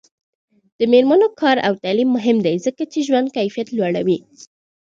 د میرمنو کار او تعلیم مهم دی ځکه چې ژوند کیفیت لوړوي.